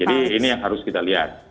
jadi ini yang harus kita lihat